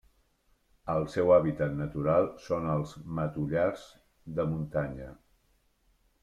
El seu hàbitat natural són els matollars de muntanya.